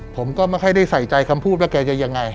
ผมก็ไม่ค่อยได้ใส่ใจคำพูดว่าแกจะยังไง